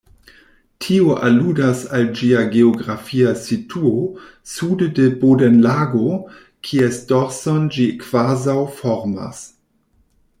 Tio aludas al ĝia geografia situo sude de Bodenlago, kies dorson ĝi kvazaŭ formas.